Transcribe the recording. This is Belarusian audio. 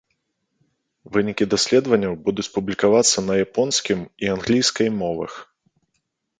Вынікі даследаванняў будуць публікавацца на японскім і англійскай мовах.